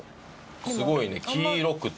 すごいね黄色くて。